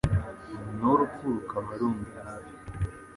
n’urupfu rukaba rundi hafi